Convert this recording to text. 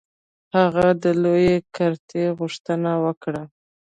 هغه د لویې کرتۍ غوښتنه وکړه.